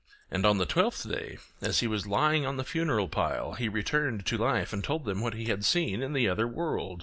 And on the twelfth day, as he was lying on the funeral pile, he returned to life and told them what he had seen in the other world.